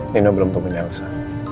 nino belum temuin elsa